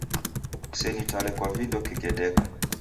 Kusenitale kwa vindo kekedeka